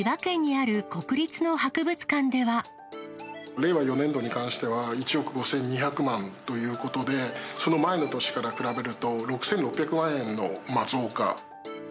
令和４年度に関しては、１億５２００万ということで、その前の年から比べると６６００万円の増加。